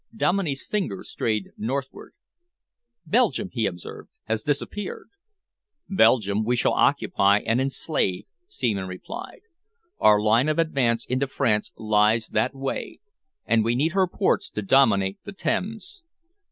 Dominey's finger strayed northward. "Belgium," he observed, "has disappeared." "Belgium we shall occupy and enslave," Seaman replied. "Our line of advance into France lies that way, and we need her ports to dominate the Thames.